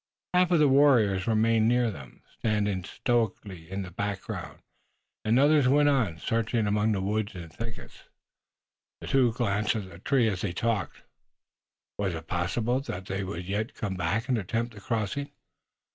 Half of the warriors remained near them, standing stolidly in the background, and the others went on, searching among the woods and thickets. The two glanced at the tree as they talked. Was it possible that they would yet come back and attempt the crossing?